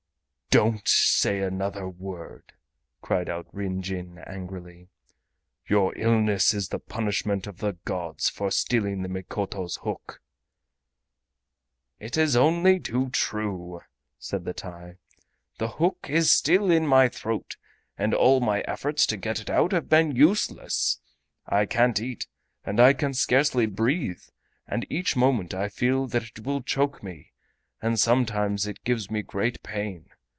"Don't say another word!" cried out Ryn Jin angrily. "Your illness is the punishment of the gods for stealing the Mikoto's hook." "It is only too true!" said the TAI; "the hook is still in my throat, and all my efforts to get it out have been useless. I can't eat, and I can scarcely breathe, and each moment I feel that it will choke me, and sometimes it gives me great pain.